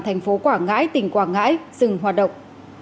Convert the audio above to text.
thành phố quảng ngãi tỉnh quảng ngãi dừng hoạt động